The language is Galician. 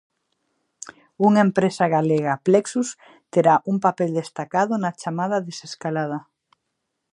Unha empresa galega, Plexus, terá un papel destacado na chamada desescalada.